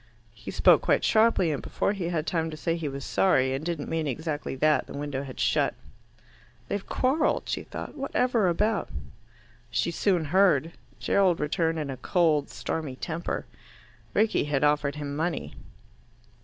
He spoke quite sharply, and before he had time to say he was sorry and didn't mean exactly that, the window had shut. "They've quarrelled," she thought. "Whatever about?" She soon heard. Gerald returned in a cold stormy temper. Rickie had offered him money.